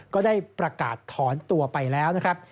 ก็ได้ประกาศถอนตัวไปแล้วนะครับ